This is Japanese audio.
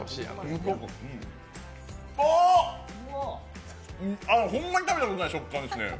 あー、ほんまに食べたことのない食感ですね。